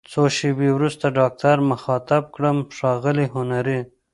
څو شیبې وروسته ډاکټر مخاطب کړم: ښاغلی هنري!